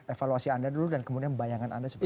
evaluasi anda dulu dan kemudian bayangan anda seperti apa